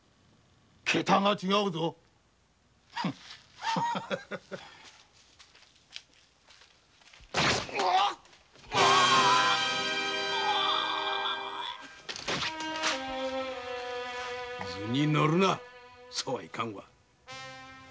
ケタが違うぞあッ図に乗るなそうはいかぬわ。